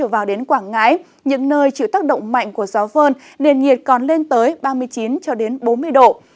vào đến quảng ngãi những nơi chịu tác động mạnh của gió phơn nền nhiệt còn lên tới ba mươi chín cho đến bốn mươi độ